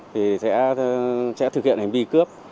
thì sẽ thực hiện hành vi cơ